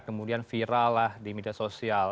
kemudian viral lah di media sosial